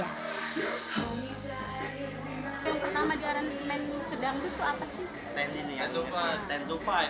yang pertama di aransmen ke dangdut itu apa sih